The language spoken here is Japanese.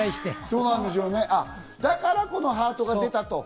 だからハートが出たと。